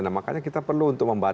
nah makanya kita perlu untuk membantu